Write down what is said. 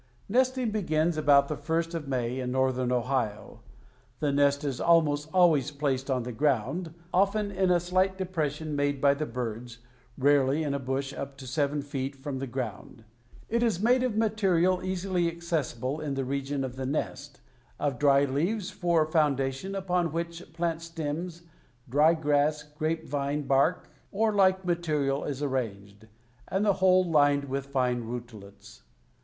Nesting begins about the first of May in northern Ohio. The nest is almost always placed on the ground, often in a slight depression made by the birds, rarely in a bush up to seven feet from the ground. It is made of material easily accessible in the region of the nest, of dry leaves for a foundation upon which plant stems, dry grass, grape vine bark, or like material is arranged, and the whole lined with fine rootlets.